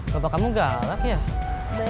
bapak kamu galak ya